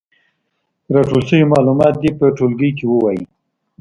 راټول شوي معلومات دې په ټولګي کې ووايي.